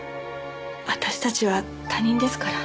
私たちは他人ですから。